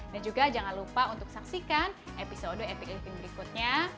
nah juga jangan lupa untuk saksikan episode epic evin berikutnya